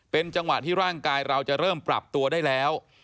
เป็นจังหวะที่ร่างกายเราจะเริ่มปรับตัวได้แล้ว